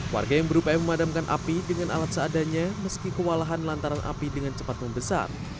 warga yang berupaya memadamkan api dengan alat seadanya meski kewalahan lantaran api dengan cepat membesar